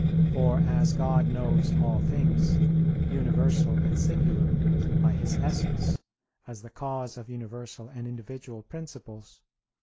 For as God knows all things, universal and singular, by His Essence, as the cause of universal and individual principles (Q.